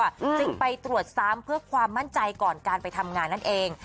จึงไปตรวจซ้ำเพื่อความมั่นใจก่อนการไปทำงานนั่นเอง